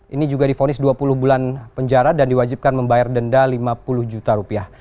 ini juga difonis dua puluh bulan penjara dan diwajibkan membayar denda lima puluh juta rupiah